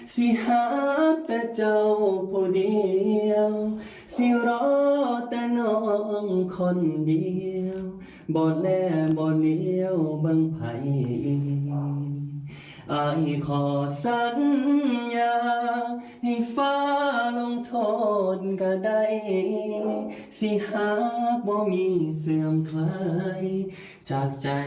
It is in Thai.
สีฮาบว่ามีเสื่อมเคลยจากใจขององค์นาคิน